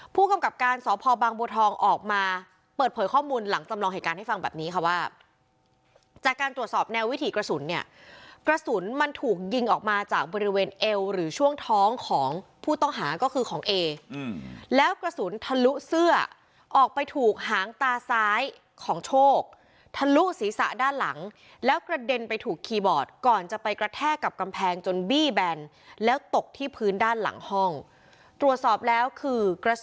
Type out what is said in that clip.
ผู้กำกับการสพบางบัวทองออกมาเปิดเผยข้อมูลหลังจำลองเหตุการณ์ให้ฟังแบบนี้ค่ะว่าจากการตรวจสอบแนววิถีกระสุนเนี่ยกระสุนมันถูกยิงออกมาจากบริเวณเอวหรือช่วงท้องของผู้ต้องหาก็คือของเอแล้วกระสุนทะลุเสื้อออกไปถูกหางตาซ้ายของโชคทะลุศีรษะด้านหลังแล้วกระเด็นไปถูกคีย์บอร์ดก่